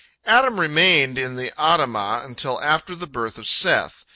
Adam remained in the Adamah until after the birth of Seth.